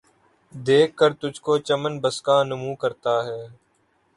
دیکھ کر تجھ کو ، چمن بسکہ نُمو کرتا ہے